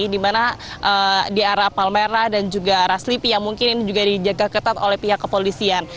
dimana di arah palmera dan juga raslipi yang mungkin juga dijaga ketat oleh pihak kepolisian